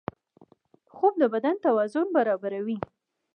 خوب د بدن توازن برابروي